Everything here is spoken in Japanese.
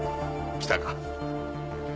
来たか。